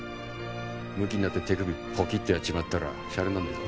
むきになって手首ポキッとやっちまったらしゃれになんねえぞ。